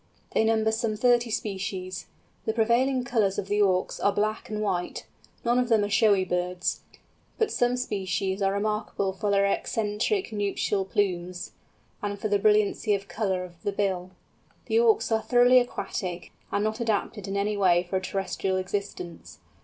They number some thirty species. The prevailing colours of the Auks are black and white; none of them are showy birds; but some species are remarkable for their eccentric nuptial plumes, and for the brilliancy of colour of the bill. The Auks are thoroughly aquatic, and not adapted in any way for a terrestrial existence.